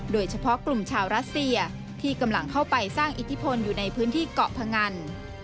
โดยเฉพาะกลุ่มชาวรัสเซียที่กำลังเข้าไปสร้างอิทธิพลอยู่ในพื้นที่เกาะพงัน